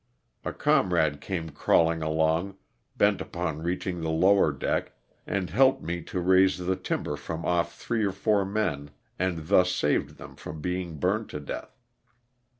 A comrade came crawling along, bent upon reaching the lower deck, and helped me to raise the timber from off three or four men and thus saved them from being burned to death.